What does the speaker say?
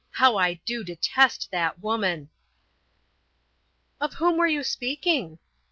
How I do detest that woman!" "Of whom were you speaking?"